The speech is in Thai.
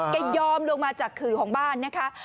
ยอมลงมาจากขื่อของบ้านนะคะ